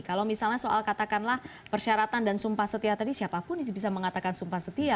kalau misalnya soal katakanlah persyaratan dan sumpah setia tadi siapapun bisa mengatakan sumpah setia